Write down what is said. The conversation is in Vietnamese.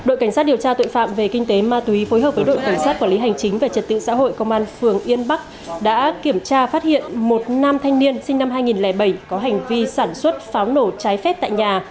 đội cảnh sát điều tra tội phạm về kinh tế ma túy phối hợp với đội cảnh sát quản lý hành chính về trật tự xã hội công an phường yên bắc đã kiểm tra phát hiện một nam thanh niên sinh năm hai nghìn bảy có hành vi sản xuất pháo nổ trái phép tại nhà